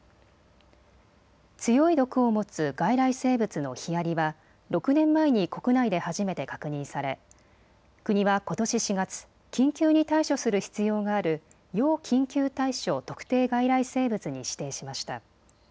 強い毒を持つ外来生物のヒアリは６年前に国内で初めて確認され国はことし４月、緊急に対処する必要がある要緊急対処特定外来生物に指定しました。